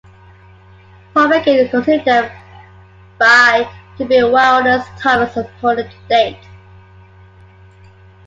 Povetkin is considered by many to be Wilder's toughest opponent to date.